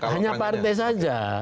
hanya partai saja